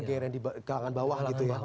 gegeran di keangan bawah